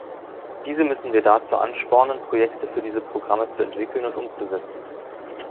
Diese müssen wir dazu anspornen, Projekte für diese Programme zu entwickeln und umzusetzen.